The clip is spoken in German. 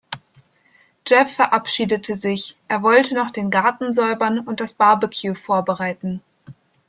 Jeff verabschiedete sich, er wollte noch den Garten säubern und das Barbecue vorbereiten.